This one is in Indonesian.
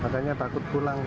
makanya takut pulang